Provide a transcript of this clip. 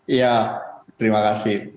iya terima kasih